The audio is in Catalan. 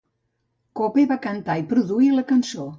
Cope va cantar i produir la cançó.